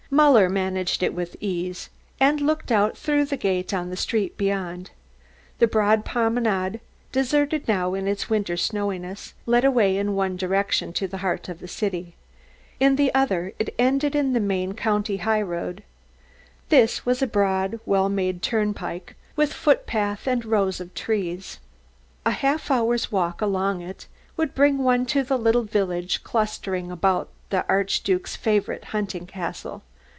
Muller managed it with ease, and looked out through the gate on the street beyond. The broad promenade, deserted now in its winter snowiness, led away in one direction to the heart of the city. In the other it ended in the main county high road. This was a broad, well made turnpike, with footpath and rows of trees. A half hour's walk along it would bring one to the little village clustering about the Archduke's favourite hunting castle.